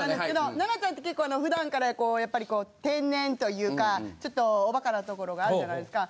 奈々ちゃんって結構普段からこうやっぱりこう天然というかちょっとおバカなところがあるじゃないですか。